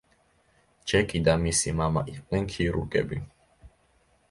ჯეკი და მისი მამა იყვნენ ქირურგები.